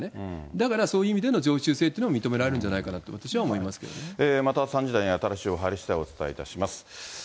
だからそういう意味での常習性というのも認められるんじゃないかまた３時台に新しい情報入りしだい、お伝えいたします。